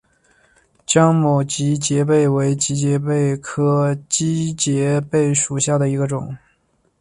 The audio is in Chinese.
江某畸节蜱为节蜱科畸节蜱属下的一个种。